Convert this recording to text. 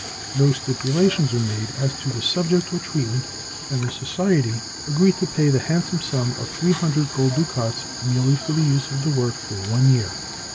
No stipulations were made as to subject or treatment, and the society agreed to pay the handsome sum of three hundred gold ducats, merely for the use of the work for one year.